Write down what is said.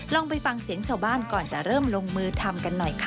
ลองไปฟังเสียงชาวบ้านก่อนจะเริ่มลงมือทำกันหน่อยค่ะ